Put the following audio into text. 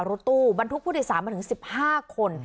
รถตู้บรรทุกผู้โดยสารมาถึง๑๕คน